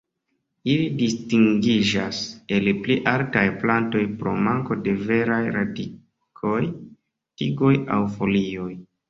Ili distingiĝas el pli altaj plantoj pro manko de veraj radikoj, tigoj aŭ folioj.